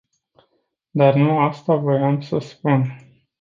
Dar nu asta voiam să spun.